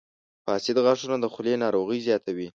• فاسد غاښونه د خولې ناروغۍ زیاتوي.